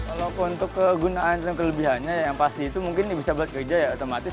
kalau untuk kegunaan dan kelebihannya yang pasti itu mungkin bisa buat kerja ya otomatis